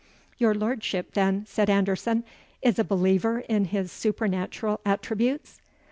"Your lordship, then," said Anderson, "is a believer in his supernatural attributes?"